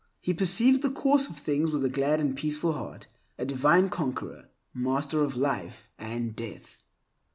He perceives the course of things with a glad and peaceful heart; a divine conqueror, master of life and death.